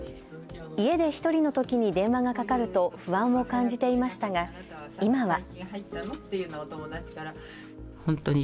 家で１人のときに電話がかかると不安を感じていましたが、今は。